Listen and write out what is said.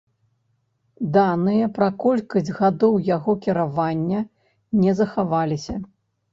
Даныя пра колькасць гадоў яго кіравання не захаваліся.